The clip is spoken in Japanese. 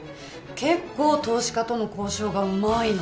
結構投資家との交渉がうまいの。